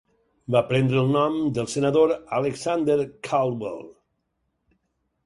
Va prendre el nom del Senador Alexander Caldwell.